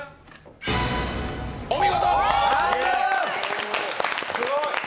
お見事！